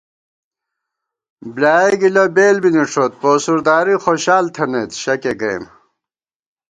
بۡلیایَہ گِلہ بېل بی نِݭوت پوسُرداری خوشال تھنَئیت شکےگَئیم